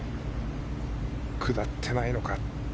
下ってないのか。